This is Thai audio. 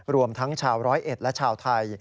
รวมทั้งชาวร้อยเอ็ดและชาวไทย